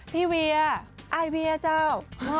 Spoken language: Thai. เวียอายเวียเจ้า